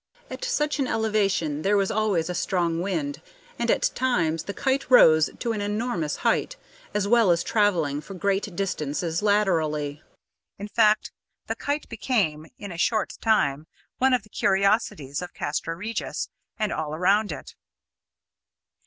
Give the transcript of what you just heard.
At such an elevation there was always a strong wind, and at times the kite rose to an enormous height, as well as travelling for great distances laterally. In fact, the kite became, in a short time, one of the curiosities of Castra Regis and all around it.